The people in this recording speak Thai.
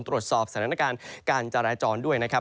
ตรวจสอบสถานการณ์การจราจรด้วยนะครับ